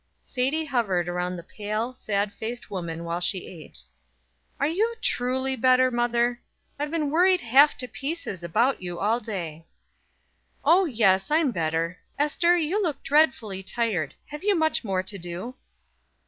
Sadie hovered around the pale, sad faced woman while she ate. "Are you truly better, mother? I've been worried half to pieces about you all day." "O, yes; I'm better. Ester, you look dreadfully tired. Have you much more to do?"